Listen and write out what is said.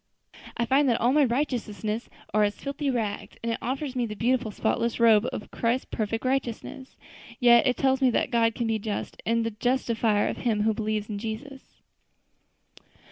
I find that all my righteousnesses are as filthy rags, and it offers me the beautiful, spotless robe of Christ's perfect righteousness. Yes, it tells me that God can be just, and the justifier of him who believes in Jesus."